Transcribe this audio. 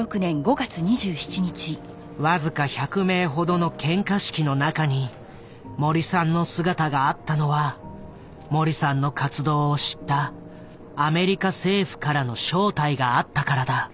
僅か１００名ほどの献花式の中に森さんの姿があったのは森さんの活動を知ったアメリカ政府からの招待があったからだ。